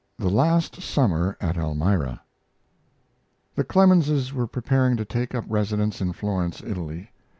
THE LAST SUMMER AT ELMIRA The Clemenses were preparing to take up residence in Florence, Italy.